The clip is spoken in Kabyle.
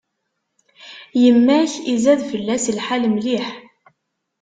Yemma-k izad fell-as lḥal mliḥ.